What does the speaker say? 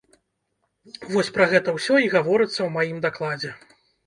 Вось пра гэта ўсё і гаворыцца ў маім дакладзе.